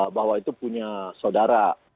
bahwa itu punya saudara